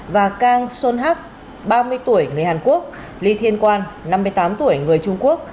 và kang son hak ba mươi tuổi người hàn quốc lee thiên quan năm mươi tám tuổi người trung quốc